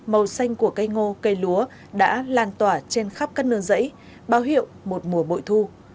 màu xanh của cây ngô cây lúa đã lan tỏa trên khắp các nương rẫy báo hiệu một mùa bội thu